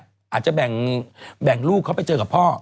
อาจจะแบ่งลูกเขาไปเจอกับพ่อ